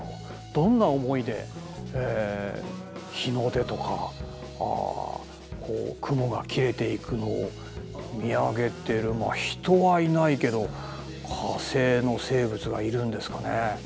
どんな思いで日の出とかこう雲が切れていくのを見上げてるまあ人はいないけど火星の生物がいるんですかねえ。